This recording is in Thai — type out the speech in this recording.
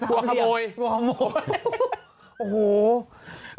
กลัวขโมย